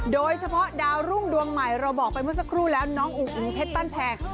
โดยเฉพาะดาวรุ่งดวงใหม่เราบอกไปเมื่อสักครู่แล้วน้องอุ๋งอิ๋งเพชรบ้านแพง